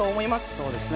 そうですね。